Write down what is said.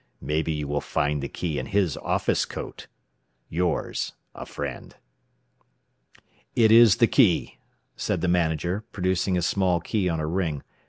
Mebee you will finde the key in his offis cote. "Yours, a frend." "It is the key," said the manager, producing a small key on a ring.